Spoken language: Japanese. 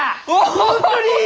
本当に！？